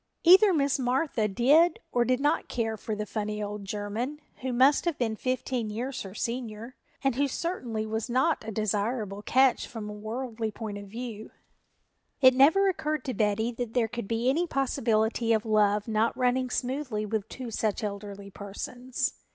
Either Miss Martha did or did not care for the funny old German who must have been fifteen years her senior, and who certainly was not a desirable catch from a worldly point of view. It never occurred to Betty that there could be any possibility of love not running smoothly with two such elderly persons.